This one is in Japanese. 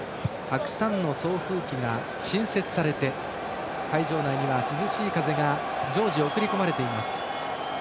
たくさんの送風機が新設されて会場内には涼しい風が常時送り込まれています。